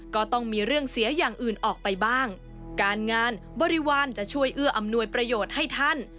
ก็ต้องมีเรื่องเสียอย่างอื่นออกไปบ้างการงานบริวารจะช่วยเอื้ออำนวยประโยชน์ให้ท่าน